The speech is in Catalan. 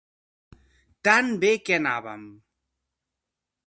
Tan bé que anàvem!